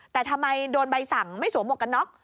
แต่ทำไมโดนใบสั่งไม่สวมหวกกันน็อก